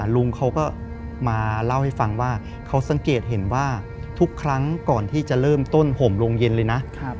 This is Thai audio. ลุงเขาก็มาเล่าให้ฟังว่าเขาสังเกตเห็นว่าทุกครั้งก่อนที่จะเริ่มต้นห่มโรงเย็นเลยนะ